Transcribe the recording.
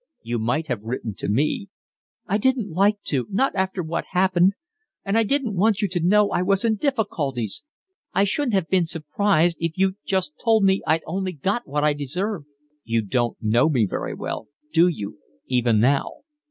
"You might have written to me." "I didn't like to, not after what happened, and I didn't want you to know I was in difficulties. I shouldn't have been surprised if you'd just told me I'd only got what I deserved." "You don't know me very well, do you, even now?"